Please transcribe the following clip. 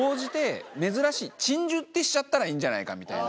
ってしちゃったらいいんじゃないかみたいな。